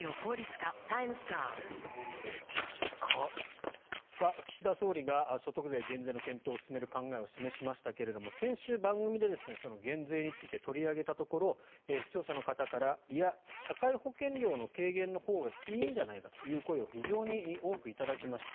疱疹岸田総理が所得税減税の検討を進める考えを示しましたが先週、番組で減税について取り上げたところ視聴者の方からいや、社会保険料の軽減のほうがいいんじゃないかという声を非常に多く頂きました。